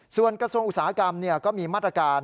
ส่วนกระทรวงอุตสาหกรรมก็มีมาตรการ